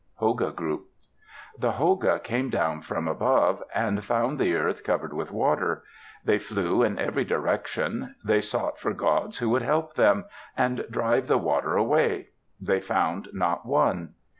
(Hoga group) The Hoga came down from above, and found the earth covered with water. They flew in every direction. They sought for gods who would help them and drive the water away. They found not one.